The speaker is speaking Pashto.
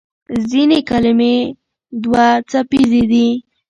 ځینې کلمې دوهڅپیزې دي.